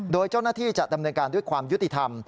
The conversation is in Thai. โดยเจ้าหน้าที่จะดำเนินการด้วยความยุติธรรม